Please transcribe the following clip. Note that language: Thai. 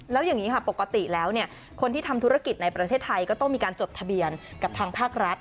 แล้วอย่างนี้ค่ะปกติแล้วเนี่ยคนที่ทำธุรกิจในประเทศไทยก็ต้องมีการจดทะเบียนกับทางภาครัฐ